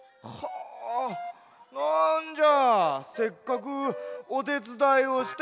あなんじゃせっかくおてつだいをしているよ